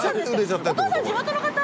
お父さん地元の方？